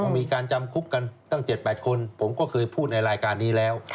มีการจำคุกกันตั้ง๗๘คนผมก็เคยพูดในรายการนี้แล้ว